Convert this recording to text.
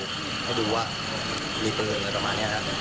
แล้วดูว่ามีปืนอะไรประมาณเนี่ยครับ